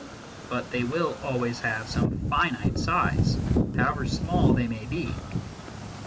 But they will always have some finite size, however small they may be.